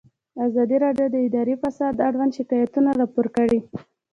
ازادي راډیو د اداري فساد اړوند شکایتونه راپور کړي.